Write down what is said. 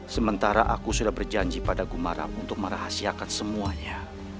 sementara aku sudah berjanji pada gumarang untuk merahasiakan semuanya